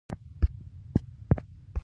عمره دواړه په کې شامل وو.